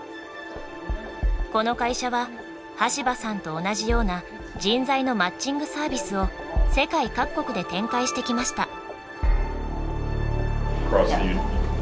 この会社は端羽さんと同じような人材のマッチングサービスを世界各国で展開してきました。